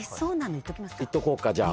いっとこうかじゃあ。